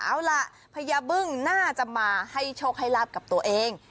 เอาล่ะพญาบึ้งน่าจะมาให้โชคให้ลาบกับตัวเอง